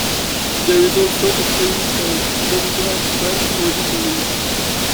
There is also a series called "Bunnicula and Friends: Ready To Read".